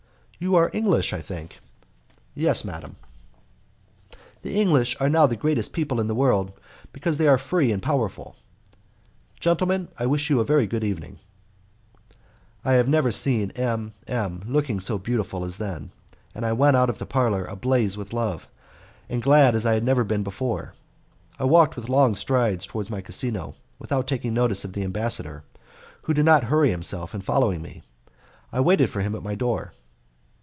"You are English, I think?" "Yes, madam." "The English are now the greatest people in the world, because they are free and powerful. Gentlemen, I wish you a very good evening." I had never seen M M looking so beautiful as then, and I went out of the parlour ablaze with love, and glad as I had never been before. I walked with long strides towards my casino, without taking notice of the ambassador, who did not hurry himself in following me; I waited for him at my door.